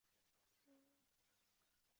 豫皖苏解放区设。